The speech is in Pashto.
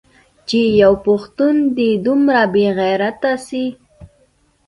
چې يو پښتون دې دومره بې غيرته سي.